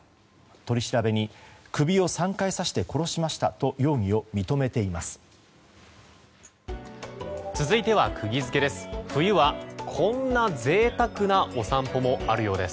取り調べに、首を３回刺して殺しましたと容疑を認めています。